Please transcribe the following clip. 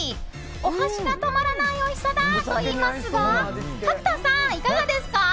お箸が止まらないおいしさだといいますが角田さん、いかがですか？